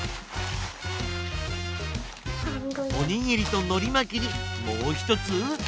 おにぎりとのりまきにもうひとつ。